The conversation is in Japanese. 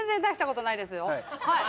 はい。